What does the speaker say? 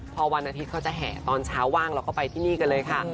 พอวันอาทิตย์เขาจะแห่ตอนเช้าว่างเราก็ไปที่นี่กันเลยค่ะ